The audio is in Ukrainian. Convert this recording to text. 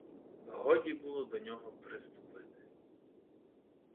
Годі було до нього приступити.